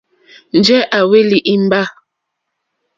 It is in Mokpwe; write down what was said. Njɛ̂ à hwélí ìmbâ.